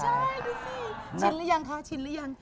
ใช่ดูสิชินแล้วยังคะชินแล้วยัง